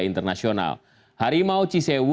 internasional harimau cisewu